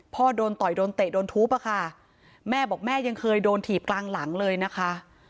พ่อโดนต่อยโดนเตะโดนทุบอะค่ะแม่บอกแม่ยังเคยโดนถีบกลางหลังเลยนะคะ